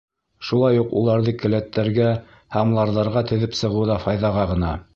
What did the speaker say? Шулай уҡ уларҙы келәттәргә һәм ларҙарға теҙеп сығыу ҙа файҙаға ғына.